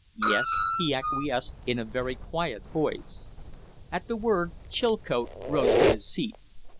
"Yes," he acquiesced, in a very quiet voice. At the word Chilcote rose from his seat.